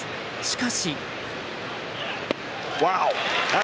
しかし。